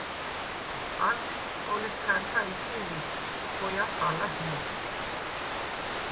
ანფიშვდ კოლეფხა̈ნქა ეშხუ ვიჯ, ხოჲახ ალა დი̄ნას.